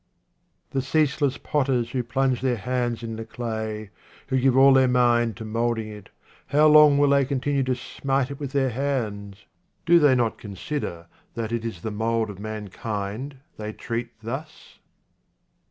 The ceaseless potters who plunge their hands in the clay, who give all their mind to moulding it, how long will they continue to smite it with their hands ? Do they not consider that it is the mould of mankind they treat thus